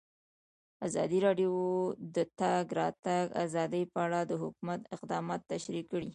ازادي راډیو د د تګ راتګ ازادي په اړه د حکومت اقدامات تشریح کړي.